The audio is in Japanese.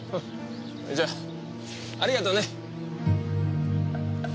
じゃあありがとね。